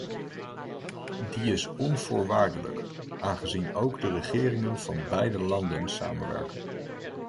Die is onvoorwaardelijk, aangezien ook de regeringen van beide landen samenwerken.